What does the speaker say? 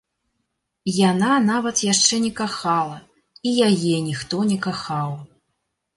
Яна нават яшчэ не кахала, і яе ніхто не кахаў.